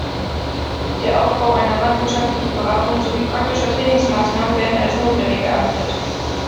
Der Aufbau einer landwirtschaftlichen Beratung sowie praktischer Trainingsmaßnahmen werden als notwendig erachtet.